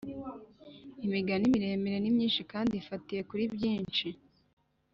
Imigani miremire ni myinshi kandi ifatiye kuri byinshi